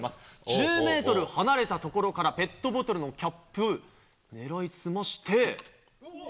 １０メートル離れた所からペットボトルのキャップ、狙いすまして。